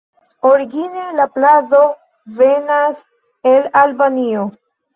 Origine la plado venas el Albanio.